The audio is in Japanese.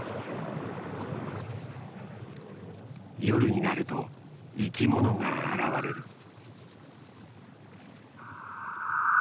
夜になると生きものが現れる。